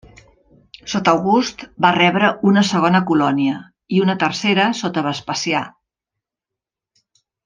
Sota August va rebre una segona colònia, i una tercera sota Vespasià.